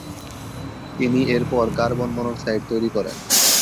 তিনি এর পর কার্বন মনোক্সাইড তৈরি করেন।